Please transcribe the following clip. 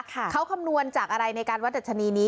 เขาคำนวณจากอะไรในการวัดดัชนีนี้